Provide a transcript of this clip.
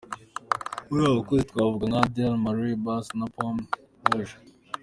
Muri abo bakozi twavuga nka: Adal ,Marley Bass na Paume Rouge.